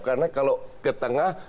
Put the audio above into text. karena kalau ke tengah